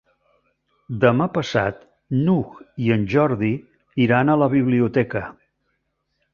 Demà passat n'Hug i en Jordi iran a la biblioteca.